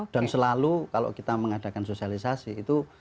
dan selalu kalau kita mengadakan sosialisasi itu